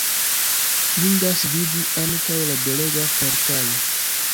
Indas vidi ankaŭ la belega portalo.